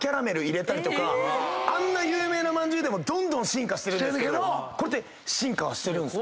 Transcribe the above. あんな有名なまんじゅうでもどんどん進化してるんですけどこれって進化はしてるんですか？